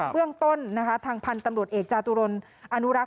เรื่องต้นนะคะทางพันธุ์ตำรวจเอกจาตุรนอนุรักษ